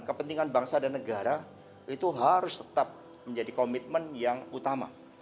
kepentingan bangsa dan negara itu harus tetap menjadi komitmen yang utama